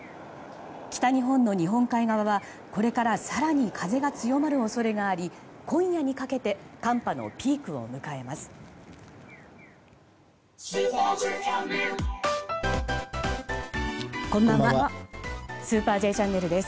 北日本の日本海側はこれから更に風が強まる恐れがあり今夜にかけて寒波のピークを迎えます。